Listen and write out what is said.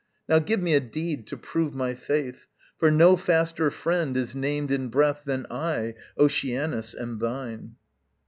Now give me a deed to prove my faith; For no faster friend is named in breath Than I, Oceanus, am thine.